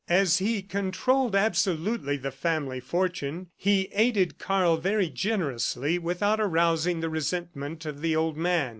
As he controlled absolutely the family fortune, he aided Karl very generously without arousing the resentment of the old man.